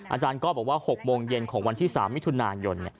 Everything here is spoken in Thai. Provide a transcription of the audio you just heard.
อาจารย์ก็บอกว่า๖โมงเย็นของวันที่๓มิถุนายน